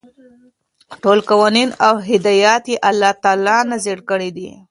ټول قوانين او هدايات يي الله تعالى نازل كړي دي ،